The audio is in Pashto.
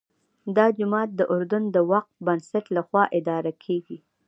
دا جومات د اردن د وقف بنسټ لخوا اداره کېږي.